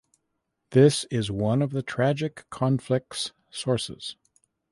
This is one of the tragic conflicts sources.